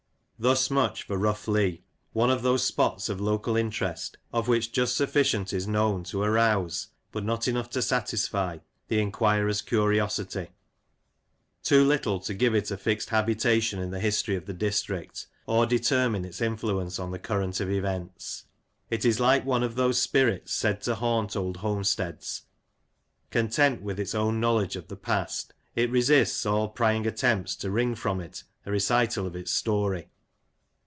Thus much for Rough Lee, one of those spots of local interest of which just sufficient is known to arouse, but not enough to satisfy, the inquirer's curiosity — too little to give it a fixed habitation in the history of the district, or deter mine its influence on the current of events. It is like one of those spirits said to haunt old homesteads : content with its own knowledge of the past, it resists all prying attempts to wring from it a recital of its story.